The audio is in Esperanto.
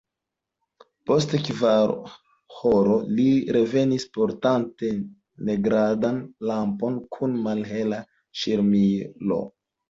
Post kvaronhoro li revenis, portante negrandan lampon kun malhela ŝirmilo.